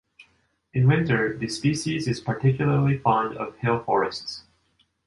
In winter, the species is particularly fond of hill forests.